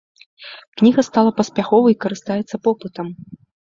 Кніга стала паспяховай і карыстаецца попытам.